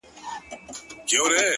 o هغه سړی کلونه پس دی. راوتلی ښار ته.